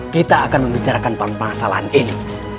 kita akan membicarakan permasalahan ini